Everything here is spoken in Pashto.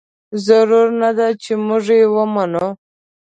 ضرور نه ده چې موږ یې ومنو.